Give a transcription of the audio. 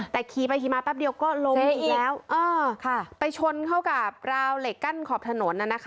แต่ขี่ไปขี่มาแป๊บเดียวก็ล้มอีกแล้วไปชนเข้ากับราวเหล็กกั้นขอบถนน